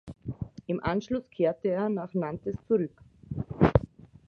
Im Anschluss kehrte er nach Nantes zurück.